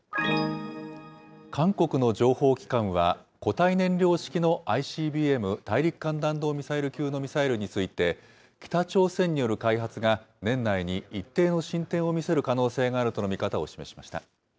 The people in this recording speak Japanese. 韓国の情報機関は、固体燃料式のＩＣＢＭ・大陸間弾道ミサイル級のミサイルについて、北朝鮮による開発が年内に一定の進展を見せる可能性があるとの見方を示しました。